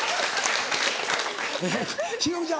忍ちゃん